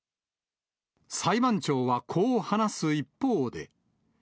裁判長はこう話す一方で。